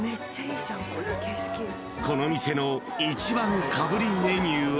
［この店の１番かぶりメニューは］